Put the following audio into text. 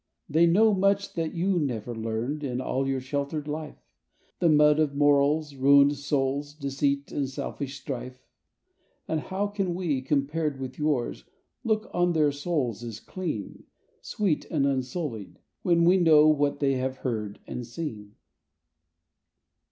They know much that you never learned in all your sheltered life; The mud of morals, ruined souls, deceit and selfish strife; And how can we, compared with yours, look on their souls as clean. Sweet and unsullied, when we know what they have heard and seen?